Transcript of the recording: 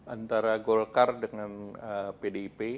antara golkar dengan pdip